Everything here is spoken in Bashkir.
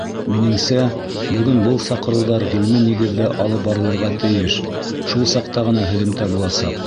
Минеңсә, бөгөн был саҡырыуҙар ғилми нигеҙҙә алып барылырға тейеш, шул саҡта ғына һөҙөмтә буласаҡ.